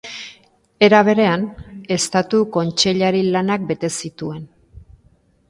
Era berean, Estatu Kontseilari lanak bete zituen.